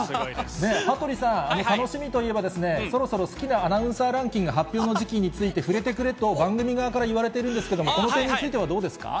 羽鳥さん、楽しみといえば、そろそろ好きなアナウンサーランキング、発表の時期について触れてくれと、番組側から言われてるんですけども、この点についてはどうですか？